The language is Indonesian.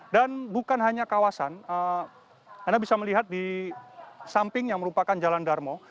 dan bukan hanya kawasan anda bisa melihat di samping yang merupakan jalan darmo